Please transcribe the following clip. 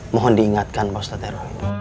mohon diingatkan pak ustadz